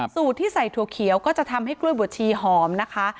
สูตรที่ใส่ถั่วเขียวก็จะทำให้กล้วยบัวชีหอมนะคะ